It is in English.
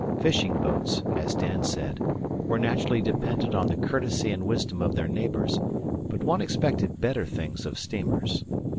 Fishing boats, as Dan said, were naturally dependent on the courtesy and wisdom of their neighbours; but one expected better things of steamers.